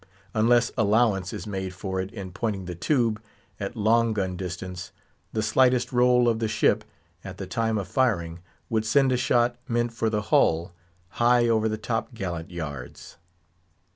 Unless allowance is made for it in pointing the tube, at long gun distance, the slightest roll of the ship, at the time of firing, would send a shot, meant for the hull, high over the top gallant yards.